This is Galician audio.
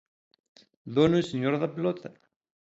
Dono e señor da pelota.